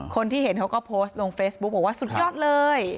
คนที่เห็นเขาก็โพสต์ลงเฟซบุ๊กบอกว่าสุดยอดเลย